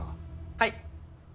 はい。